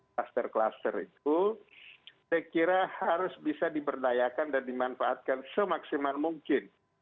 kluster kluster itu saya kira harus bisa diberdayakan dan dimanfaatkan semaksimal mungkin